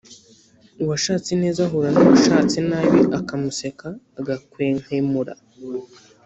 Uwashatse neza ahura n’uwashatse nabi akamuseka agakwenkwemura.